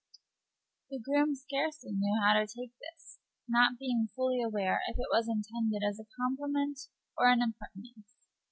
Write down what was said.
The groom scarcely knew how to take this, not being fully aware whether it was intended as a compliment or an impertinence.